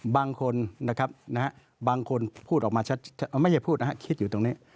บางคนนะครับบางคนพูดออกมาชัดไม่ใช่พูดนะฮะคิดอยู่ตรงนี้